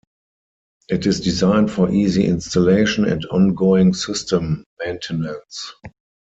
It is designed for easy installation and ongoing system maintenance.